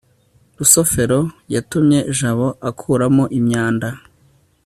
rusufero yatumye jabo akuramo imyanda